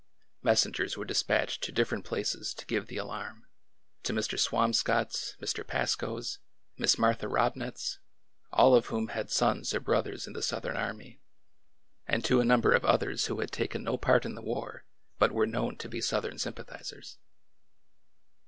Messengers were despatched to different places to give the alarm— to Mr. Swamscott's, Mr. Pasco's, Miss Mar tha Robnett's— all of whom had sons or brothers in the Southern army, and to a number of others who had taken no part in the war, but were known to be Southern sym^ pathizers.